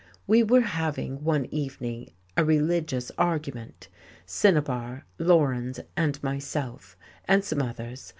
We were having, one evening, a "religious" argument, Cinibar, Laurens and myself and some others.